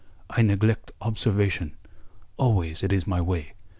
I neglect observation. Always it is my way.